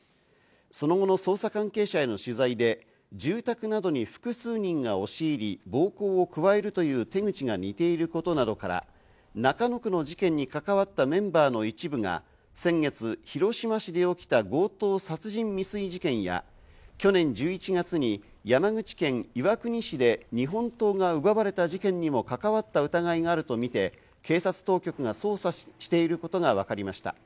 その後の捜査関係者への取材で、住宅などに複数人が押し入り、暴行を加えるという手口が似ていることなどから中野区の事件に関わったメンバーの一部が先月、広島市で起きた強盗殺人未遂事件や、去年１１月に山口県岩国市で日本刀が奪われた事件にも関わった疑いがあるとみて警察当局が捜査していることがわかりました。